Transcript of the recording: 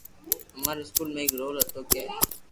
اماري اسڪول مي ايڪ رول ھوتو ڪي